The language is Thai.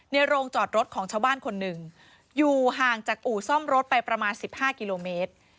โรงจอดรถของชาวบ้านคนหนึ่งอยู่ห่างจากอู่ซ่อมรถไปประมาณ๑๕กิโลเมตร